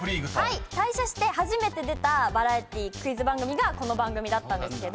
はい。退社して初めて出たバラエティークイズ番組がこの番組だったんですけど。